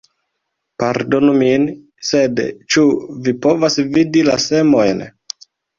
Pardonu min, sed, ĉu vi povas vidi la semojn?